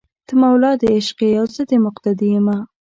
ته مولا دې عشق یې او زه دې مقتدي یمه